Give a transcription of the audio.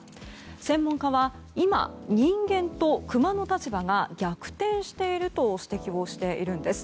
専門家は今、人間とクマの立場が逆転していると指摘しているんです。